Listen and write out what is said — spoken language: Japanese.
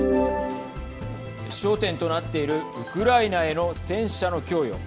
焦点となっているウクライナへの戦車の供与。